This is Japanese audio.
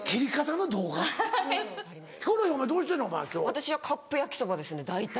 私はカップ焼きそばですね大体。